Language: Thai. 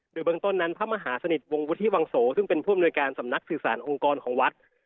โดยเบื้องต้นนั้นพระมหาสนิทวงวุฒิวังโสซึ่งเป็นผู้อำนวยการสำนักสื่อสารองค์กรของวัด